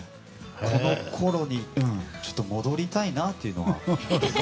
このころに戻りたいなっていうのが。